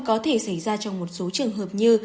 có thể xảy ra trong một số trường hợp như